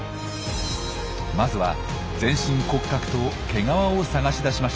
まずは全身骨格と毛皮を探し出しました。